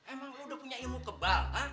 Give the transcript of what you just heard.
emang lo udah punya ilmu kebal ha